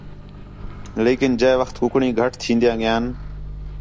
لیکن جئے وخت کُکڑیں گھٹ تھین٘دیاں ڳئیان